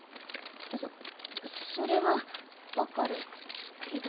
そそれは分かるけど。